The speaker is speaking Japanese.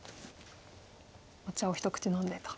お茶を一口飲んでと。